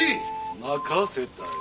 任せたよ。